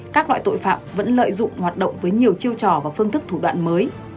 các loại tội phạm vẫn lợi dụng hoạt động với nhiều chiêu trò và phương thức thủ đoạn mới